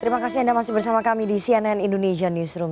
terima kasih anda masih bersama kami di cnn indonesia newsroom